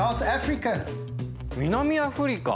南アフリカ。